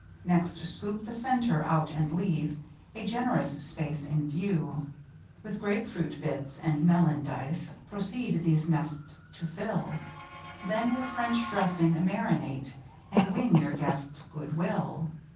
Next scoop the centre out and leave A gen'rous space in view. With grape fruit bits, and melon dice Proceed these nests to fill. Then with French dressing marinate, And win your guests' good will.